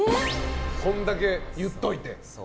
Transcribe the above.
これだけ言っておいて。